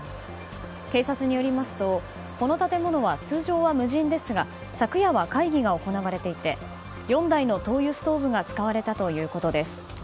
警察によりますとこの建物は通常は無人ですが昨夜は会議が行われていて４台の灯油ストーブが使われたということです。